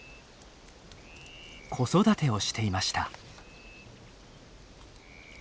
子育てをしていました。